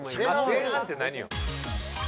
前半って何よ？